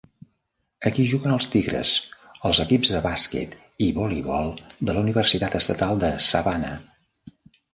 Aquí juguen els Tigres, els equips de bàsquet i voleibol de la Universitat Estatal de Savannah.